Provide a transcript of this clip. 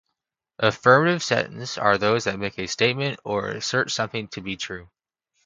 Affirmative sentences are those that make a statement or assert something to be true.